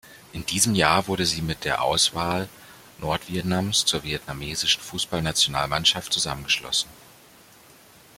In diesem Jahr wurde sie mit der Auswahl Nordvietnams zur vietnamesischen Fußballnationalmannschaft zusammengeschlossen.